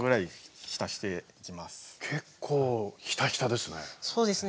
結構ひたひたですね。